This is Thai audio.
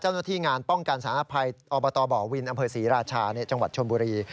เจ้าหน้าที่งานป้องกันสารภัยอบตบ่อวินอำเภอศรีราชาจังหวัดชนบุรี